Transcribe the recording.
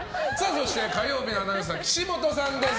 そして火曜日アナウンサー岸本さんです。